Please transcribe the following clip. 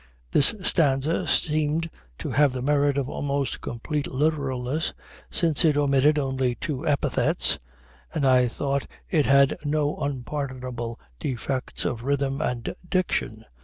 This stanza seemed to have the merit of almost complete literalness, since it omitted only two epithets, and I thought it had no unpardonable defects of rhythm and diction.